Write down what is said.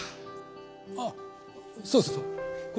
あそうそうそう。